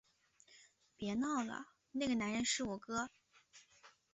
别闹了，那个男人是我哥